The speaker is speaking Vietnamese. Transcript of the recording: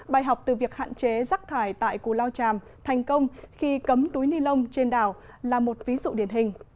bài học từ việc hạn chế rác thải tại cù lao tràm thành công khi cấm túi ni lông trên đảo là một ví dụ điển hình